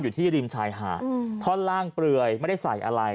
อยู่ที่ริมชายหาดท่อนล่างเปลือยไม่ได้ใส่อะไร